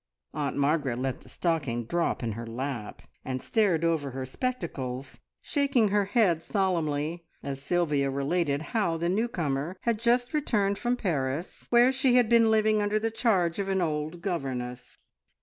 Aunt Margaret let the stocking drop in her lap and stared over her spectacles, shaking her head solemnly as Sylvia related how the new comer had just returned from Paris, where she had been living under the charge of an old governess.